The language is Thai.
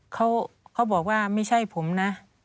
เขาบอกว่าไม่ใช่ผมนะ